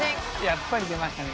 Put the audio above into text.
やっぱり出ましたね。